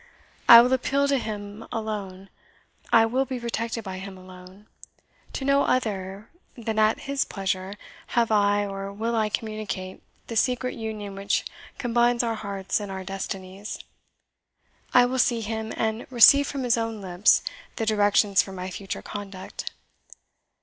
I will appeal to him alone I will be protected by him alone; to no other, than at his pleasure, have I or will I communicate the secret union which combines our hearts and our destinies. I will see him, and receive from his own lips the directions for my future conduct.